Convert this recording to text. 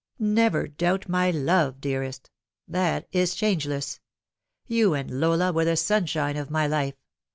Never doubt my love, dearest. That is changeless. You and Lola were the sunshine of my life.